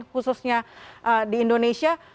khususnya di indonesia